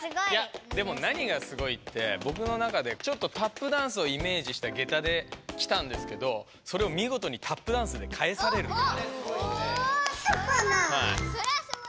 いやでもなにがすごいってぼくの中でちょっとタップダンスをイメージしたゲタできたんですけどそれをみごとにタップダンスでかえされる。